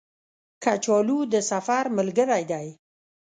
کچالو د سفر ملګری دی